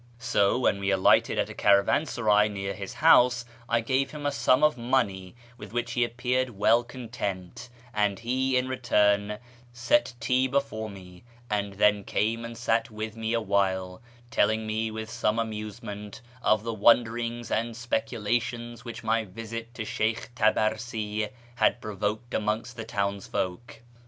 So when we alighted at a caravansaray near his house I gave him a sum of money with which he appeared well content, and he, in return, set tea before me, and then came and sat with me a while, telling me, with some amusement, of the wonderings and speculations which my visit to Sheykh Tabarsi had provoked amongst the townsfolk.